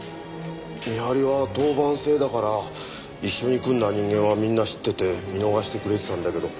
見張りは当番制だから一緒に組んだ人間はみんな知ってて見逃してくれてたんだけど。